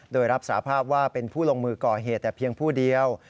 โดยรับสาภาพว่าเป็นผู้ลงมือก่อเหตุแต่เพียงผู้เดียว